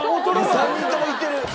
３人とも行ってる！